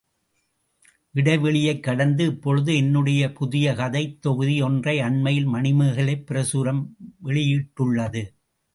இடைவெளியைக் கடந்து, இப்பொழுது என்னுடைய புதிய கதைத் தொகுதி ஒன்றை அண்மையில் மணிமேகலைப் பிரசுரம் வெளியிட்டுள்ளது.